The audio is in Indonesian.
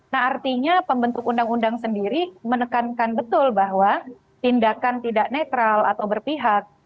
nah artinya pembentuk undang undang sendiri menekankan betul bahwa tindakan tidak netral atau berpihak